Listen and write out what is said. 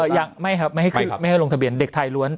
ยังไม่ครับไม่ให้ไม่ให้ลงทะเบียนเด็กไทยล้วน